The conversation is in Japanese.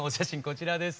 こちらです。